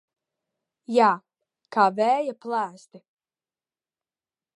Jā, kā vēja plēsti.